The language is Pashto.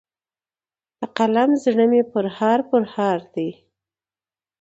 د قلم زړه مي پرهار پرهار دی